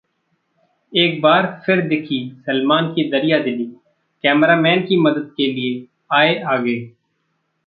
एक बार फिर दिखी सलमान की दरियादिली, कैमरामैन की मदद के लिए आए आगे